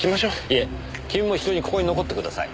いえ君も一緒にここに残ってください。